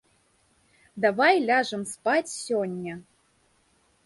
Давай ляжам спаць сёння.